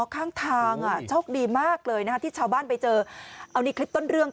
ข้างทางอ่ะโชคดีมากเลยนะคะที่ชาวบ้านไปเจอเอานี่คลิปต้นเรื่อง